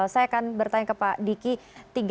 saya akan bertanya ke pak diki